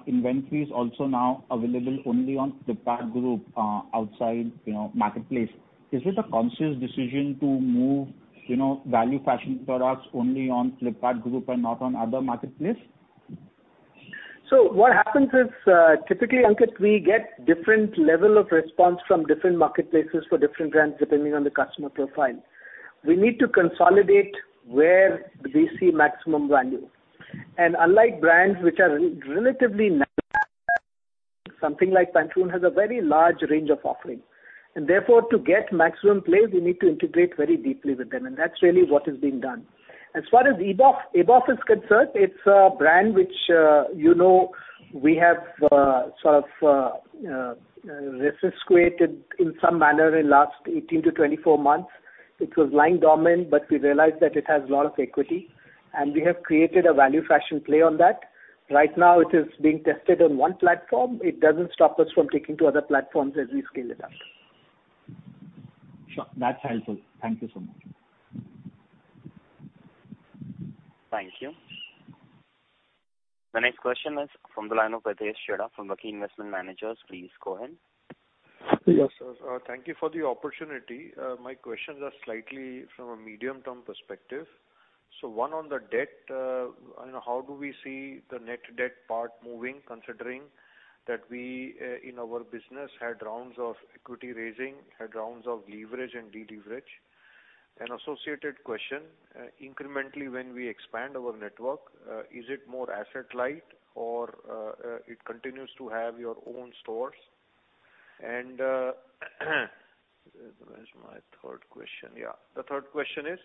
Speaker 10: inventory is also now available only on Flipkart group, outside, you know, marketplace. Is it a conscious decision to move, you know, value fashion products only on Flipkart group and not on other marketplace?
Speaker 4: What happens is, typically, Ankit, we get different level of response from different marketplaces for different brands, depending on the customer profile. We need to consolidate where we see maximum value. Unlike brands which are relatively something like Pantaloons has a very large range of offering. Therefore, to get maximum play, we need to integrate very deeply with them, and that's really what is being done. As far as Abof is concerned, it's a brand which, you know, we have sort of resuscitated in some manner in last 18-24 months. It was lying dormant, but we realized that it has a lot of equity, and we have created a value fashion play on that. Right now, it is being tested on one platform. It doesn't stop us from taking to other platforms as we scale it up.
Speaker 10: Sure. That's helpful. Thank you so much.
Speaker 1: Thank you. The next question is from the line of Ritesh Shera from Kotak Investment Managers. Please go ahead.
Speaker 11: Yes, sir. Thank you for the opportunity. My questions are slightly from a medium-term perspective. One on the debt, and how do we see the net debt part moving, considering that we, in our business had rounds of equity raising, had rounds of leverage and deleverage? An associated question, incrementally, when we expand our network, is it more asset light or, it continues to have your own stores? Where's my third question? Yeah. The third question is,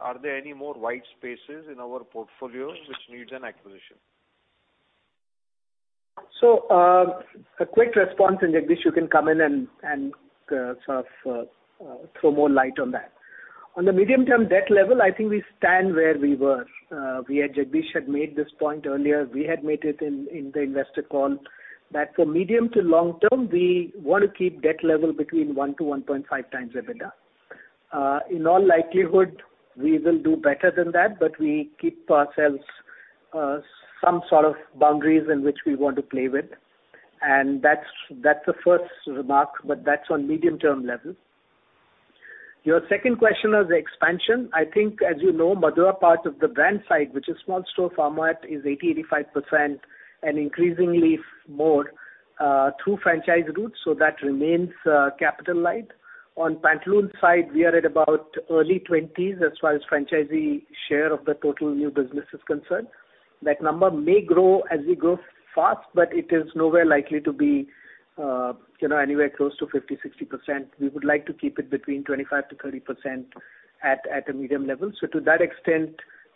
Speaker 11: are there any more white spaces in our portfolio which needs an acquisition?
Speaker 4: A quick response, and Jagdish, you can come in and sort of throw more light on that. On the medium-term debt level, I think we stand where we were. Jagdish had made this point earlier. We had made it in the investor call that for medium- to long-term, we wanna keep debt level between 1-1.5x EBITDA. In all likelihood, we will do better than that, but we keep ourselves some sort of boundaries in which we want to play with. That's the first remark, but that's on medium-term level. Your second question was expansion. I think, as you know, Madura part of the brand side, which is small store format, is 85% and increasingly more through franchise routes, so that remains capital light. On Pantaloons side, we are at about early 20s as far as franchisee share of the total new business is concerned. That number may grow as we grow fast, but it is nowhere likely to be, you know, anywhere close to 50, 60%. We would like to keep it between 25%-30% at a medium level. To that extent,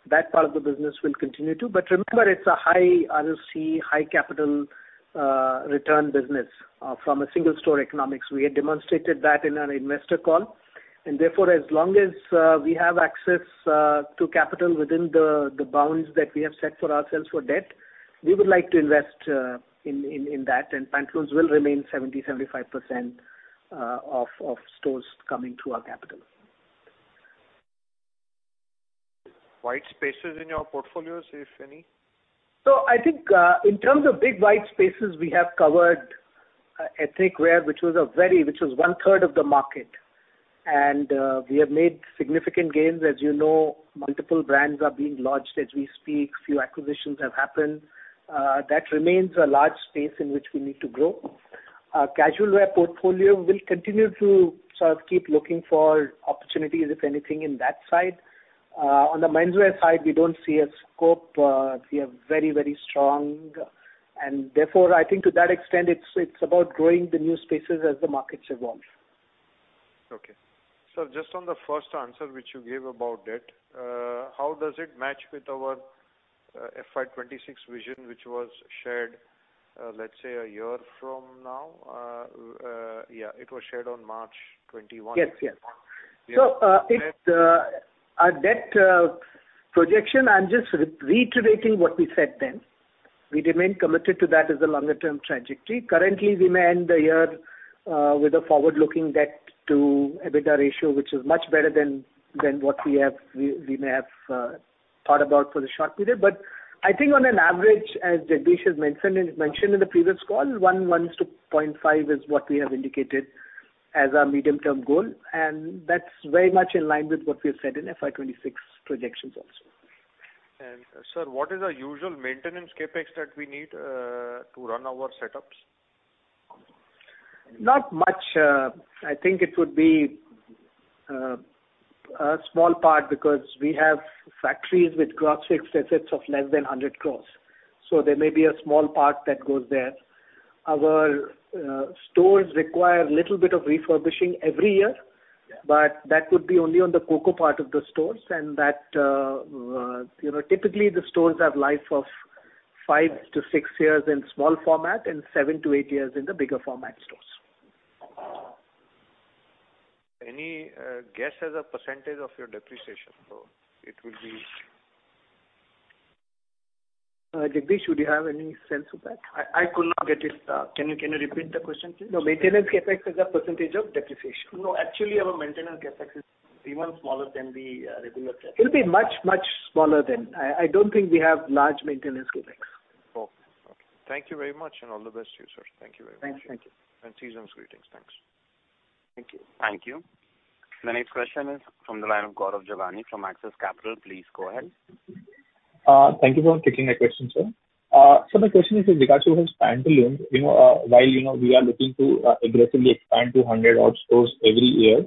Speaker 4: that part of the business will continue to. Remember, it's a high ROC, high capital return business from a single store economics. We had demonstrated that in an investor call. Therefore, as long as we have access to capital within the bounds that we have set for ourselves for debt, we would like to invest in that. Pantaloons will remain 70-75% of stores coming through our capital.
Speaker 11: White spaces in your portfolios, if any?
Speaker 4: I think, in terms of big white spaces, we have covered ethnic wear, which was one-third of the market. We have made significant gains. As you know, multiple brands are being launched as we speak. Few acquisitions have happened. That remains a large space in which we need to grow. Our casual wear portfolio will continue to sort of keep looking for opportunities, if anything, in that side. On the menswear side, we don't see a scope. We are very, very strong. Therefore, I think to that extent, it's about growing the new spaces as the markets evolve.
Speaker 11: Okay. Sir, just on the first answer which you gave about debt, how does it match with our FY 2026 vision, which was shared, let's say a year from now? Yeah, it was shared on March 21.
Speaker 4: Yes, yes.
Speaker 11: Yeah.
Speaker 4: It's our debt projection. I'm just reiterating what we said then. We remain committed to that as a longer term trajectory. Currently, we may end the year with a forward-looking debt to EBITDA ratio, which is much better than what we may have thought about for the short period. I think on average, as Jagdish has mentioned in the previous call, 1 to 1.5 is what we have indicated as our medium-term goal, and that's very much in line with what we have said in FY 2026 projections also.
Speaker 11: Sir, what is our usual maintenance CapEx that we need to run our setups?
Speaker 4: Not much. I think it would be a small part because we have factories with gross fixed assets of less than 100 crore. There may be a small part that goes there. Our stores require a little bit of refurbishing every year.
Speaker 11: Yeah.
Speaker 4: That would be only on the COCO part of the stores, and typically the stores have life of 5-6 years in small format and 7-8 years in the bigger format stores.
Speaker 11: Any guess as a percentage of your depreciation. It will be.
Speaker 4: Jagdish, would you have any sense of that? I could not get it. Can you repeat the question, please? No, maintenance CapEx as a percentage of depreciation.
Speaker 2: No, actually, our maintenance CapEx is even smaller than the regular CapEx.
Speaker 4: It'll be much, much smaller than. I don't think we have large maintenance CapEx.
Speaker 11: Cool. Okay. Thank you very much, and all the best to you, sir. Thank you very much.
Speaker 4: Thanks. Thank you.
Speaker 11: Season's greetings. Thanks.
Speaker 4: Thank you.
Speaker 1: Thank you. The next question is from the line of Gaurav Jogani from Axis Capital. Please go ahead.
Speaker 12: Thank you for taking my question, sir. My question is with regards to those Pantaloons, you know, while you know we are looking to aggressively expand to 100-odd stores every year,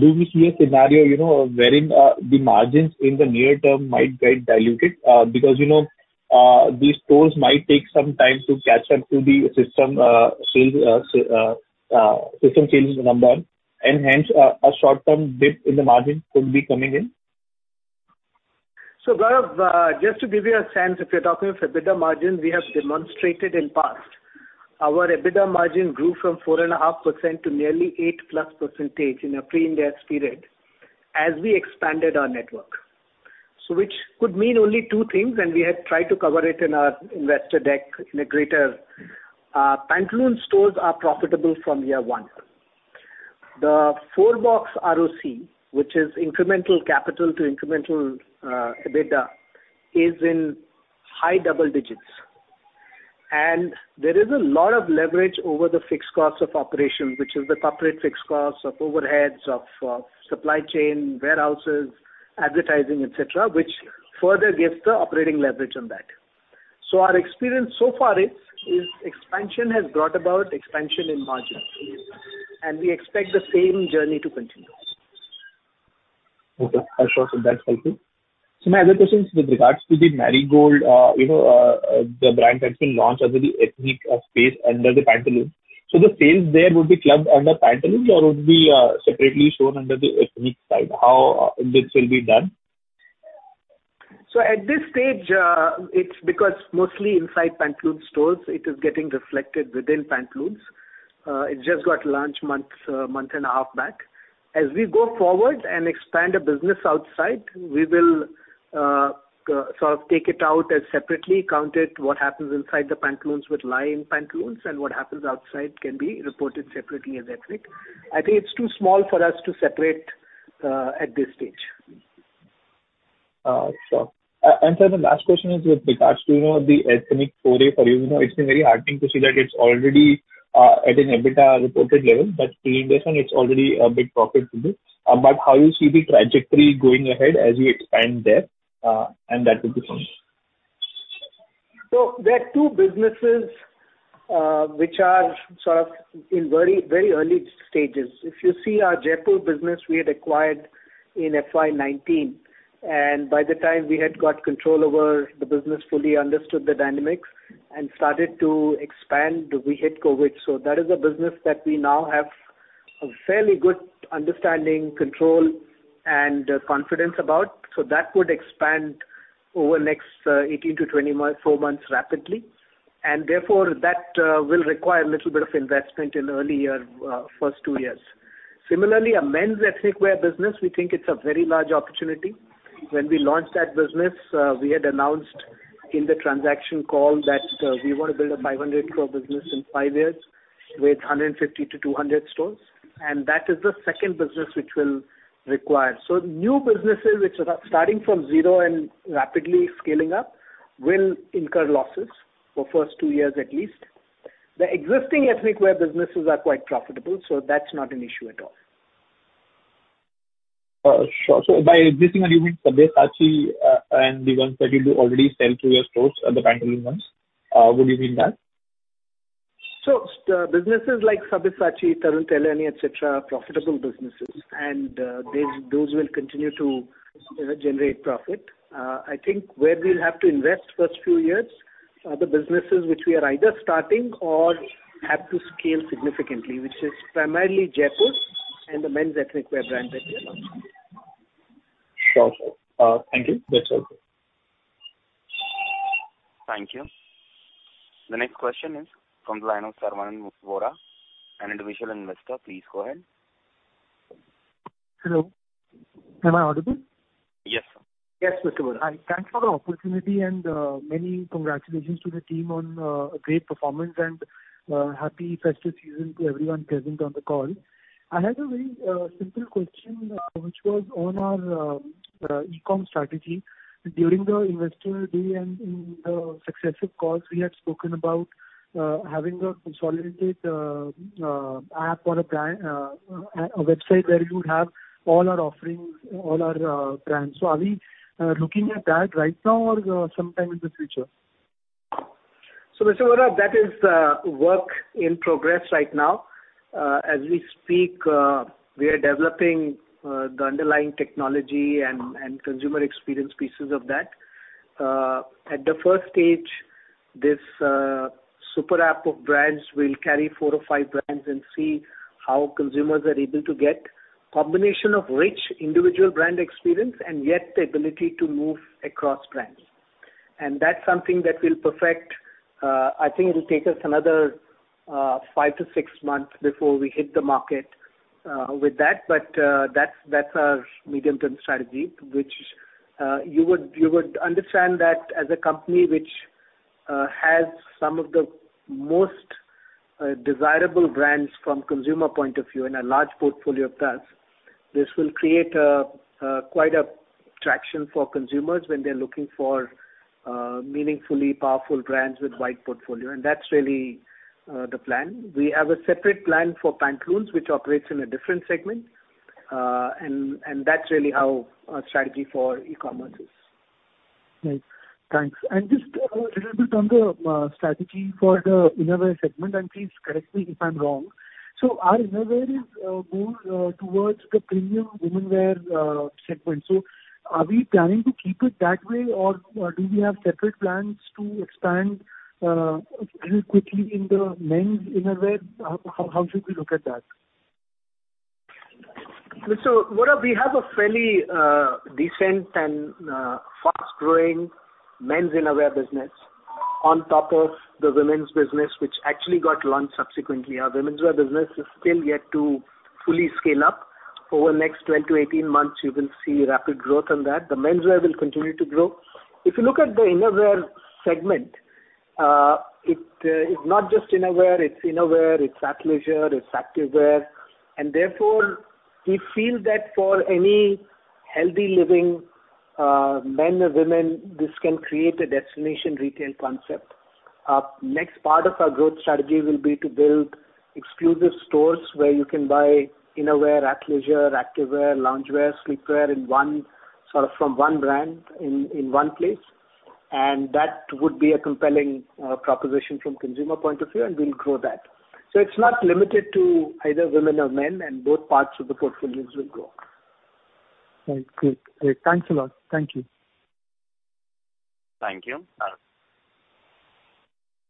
Speaker 12: do we see a scenario, you know, wherein the margins in the near term might get diluted? Because you know these stores might take some time to catch up to the system sales system changes, number one, and hence a short-term dip in the margin could be coming in.
Speaker 4: Gaurav, just to give you a sense, if you're talking of EBITDA margins, we have demonstrated in past, our EBITDA margin grew from 4.5% to nearly 8%+ in a pre-Ind AS period as we expanded our network. Which could mean only two things, and we had tried to cover it in our investor deck in greater. Pantaloons stores are profitable from year one. The full box ROC, which is incremental capital to incremental EBITDA, is in high double digits. There is a lot of leverage over the fixed costs of operation, which is the corporate fixed costs of overheads, of supply chain, warehouses, advertising, et cetera, which further gives the operating leverage on that. Our experience so far is expansion has brought about expansion in margins, and we expect the same journey to continue.
Speaker 12: Okay. For sure, sir. That's helpful. My other question is with regards to the Marigold, the brand that you launched under the ethnic space under the Pantaloons. The sales there would be clubbed under Pantaloons or would be separately shown under the ethnic side? How this will be done?
Speaker 4: At this stage, it's because mostly inside Pantaloons stores, it is getting reflected within Pantaloons. It just got launched a month and a half back. As we go forward and expand the business outside, we will sort of take it out as separately counted. What happens inside the Pantaloons would lie in Pantaloons, and what happens outside can be reported separately as ethnic. I think it's too small for us to separate at this stage.
Speaker 12: Sure. Sir, the last question is with regards to, you know, the ethnic foray for you. You know, it's been very heartening to see that it's already at an EBITDA reported level, but pre-interest it's already a big profit pool. But how you see the trajectory going ahead as you expand there, and that would be from me.
Speaker 4: There are two businesses, which are sort of in very, very early stages. If you see our Jaypore business we had acquired in FY 2019, and by the time we had got control over the business, fully understood the dynamics and started to expand, we hit COVID. That is a business that we now have a fairly good understanding, control, and confidence about. That would expand over the next 18-24 months rapidly, and therefore that will require a little bit of investment in early year, first two years. Similarly, our men's ethnic wear business, we think it's a very large opportunity. When we launched that business, we had announced in the transaction call that, we wanna build a 500 crore business in five years with 150-200 stores. That is the second business which will require. New businesses which are starting from zero and rapidly scaling up will incur losses for first two years at least. The existing ethnic wear businesses are quite profitable, so that's not an issue at all.
Speaker 12: Sure. By existing, you mean Sabyasachi, and the ones that you do already sell through your stores are the Pantaloons ones. Would you mean that?
Speaker 4: Businesses like Sabyasachi, Tarun Tahiliani, et cetera, are profitable businesses, and those will continue to generate profit. I think where we'll have to invest in the first few years are the businesses which we are either starting or have to scale significantly, which is primarily Jaypore and the men's ethnic wear brand that we are launching.
Speaker 12: Sure, sir. Thank you. That's all.
Speaker 1: Thank you. The next question is from the line of Sarvanan Vora, an individual investor. Please go ahead.
Speaker 13: Hello, am I audible?
Speaker 1: Yes, sir.
Speaker 4: Yes, Mr. Vora.
Speaker 13: Hi. Thanks for the opportunity and many congratulations to the team on a great performance and happy festive season to everyone present on the call. I had a very simple question, which was on our e-com strategy. During the investor day and in the successive calls, we had spoken about having a consolidated app or a brand a website where you would have all our offerings, all our brands. Are we looking at that right now or sometime in the future?
Speaker 4: Mr. Vora, that is, work in progress right now. As we speak, we are developing the underlying technology and consumer experience pieces of that. At the first stage, this super app of brands will carry four or five brands and see how consumers are able to get combination of rich individual brand experience and yet the ability to move across brands. That's something that we'll perfect. I think it'll take us another 5-6 months before we hit the market with that, but that's our medium-term strategy, which you would understand that as a company which has some of the most desirable brands from consumer point of view and a large portfolio of that. This will create quite a traction for consumers when they're looking for meaningfully powerful brands with wide portfolio. That's really the plan. We have a separate plan for Pantaloons, which operates in a different segment. That's really how our strategy for e-commerce is.
Speaker 13: Right. Thanks. Just a little bit on the strategy for the Innerwear segment, and please correct me if I'm wrong. Our Innerwear is more towards the premium women's wear segment. Are we planning to keep it that way or do we have separate plans to expand really quickly in the men's Innerwear? How should we look at that?
Speaker 4: Vora, we have a fairly decent and fast-growing men's innerwear business on top of the women's business which actually got launched subsequently. Our womenswear business is still yet to fully scale up. Over the next 12-18 months, you will see rapid growth on that. The menswear will continue to grow. If you look at the innerwear segment, it is not just innerwear, it's innerwear, it's athleisure, it's activewear, and therefore we feel that for any healthy living, men or women, this can create a destination retail concept. Next part of our growth strategy will be to build exclusive stores where you can buy innerwear, athleisure, activewear, loungewear, sleepwear in one sort of from one brand in one place. That would be a compelling proposition from consumer point of view, and we'll grow that. It's not limited to either women or men, and both parts of the portfolios will grow.
Speaker 13: Right. Good. Great. Thanks a lot. Thank you.
Speaker 1: Thank you.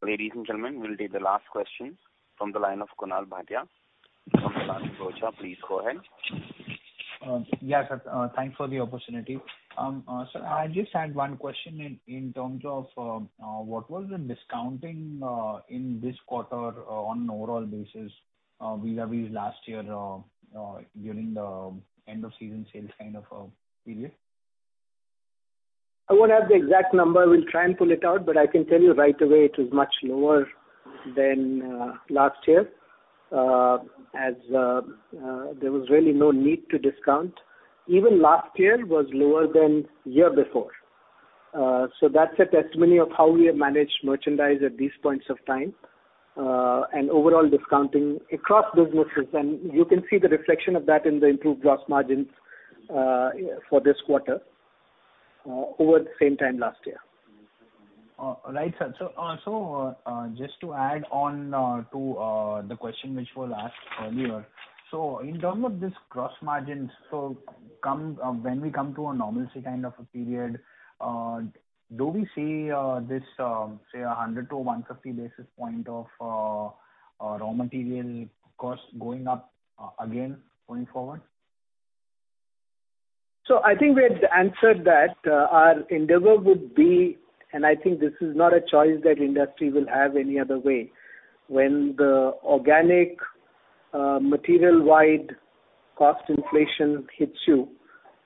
Speaker 1: Ladies and gentlemen, we'll take the last question from the line of Kunal Bhatia from Kotak Mahindra. Please go ahead.
Speaker 14: Yes, sir. Thanks for the opportunity. Sir, I just had one question in terms of what was the discounting in this quarter on overall basis vis-a-vis last year during the end of season sales kind of period?
Speaker 4: I don't have the exact number. We'll try and pull it out, but I can tell you right away it was much lower than last year, as there was really no need to discount. Even last year was lower than year before. That's a testimony of how we have managed merchandise at these points of time, and overall discounting across businesses. You can see the reflection of that in the improved gross margins for this quarter over the same time last year.
Speaker 14: Right, sir. Just to add on to the question which was asked earlier. In terms of this gross margins, when we come to a normalcy kind of a period, do we see this, say, 100-150 basis point of raw material costs going up again going forward?
Speaker 4: I think we had answered that. Our endeavor would be. I think this is not a choice that industry will have any other way. When the organic material-wide cost inflation hits you,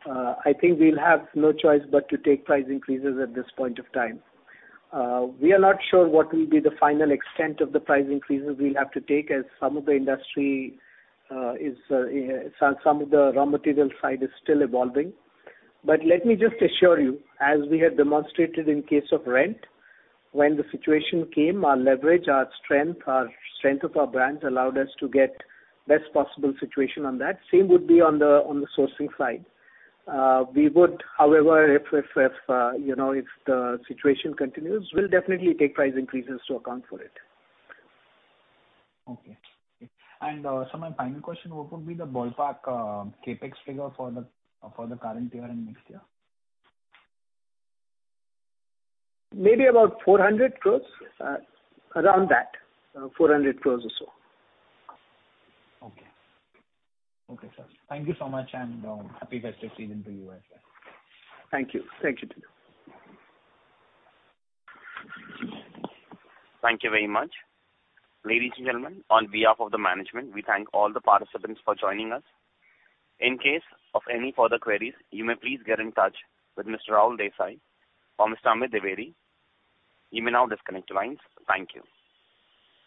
Speaker 4: I think we'll have no choice but to take price increases at this point of time. We are not sure what will be the final extent of the price increases we'll have to take as some of the industry, some of the raw material side is still evolving. But let me just assure you, as we have demonstrated in case of rent, when the situation came, our leverage, our strength of our brands allowed us to get best possible situation on that. Same would be on the sourcing side. We would, however, you know, if the situation continues, we'll definitely take price increases to account for it.
Speaker 14: Okay. My final question, what would be the ballpark CapEx figure for the current year and next year?
Speaker 4: Maybe about 400 crore, around that. 400 crore or so.
Speaker 14: Okay. Okay, sir. Thank you so much, and happy festive season to you as well.
Speaker 4: Thank you. Thank you too.
Speaker 1: Thank you very much. Ladies and gentlemen, on behalf of the management, we thank all the participants for joining us. In case of any further queries, you may please get in touch with Mr. Rahul Desai or Mr. Amit Dwivedi. You may now disconnect lines. Thank you.